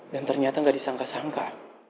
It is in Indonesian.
dan ternyata gak disangka sangka